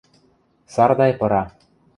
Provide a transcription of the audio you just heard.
Сардай пыра.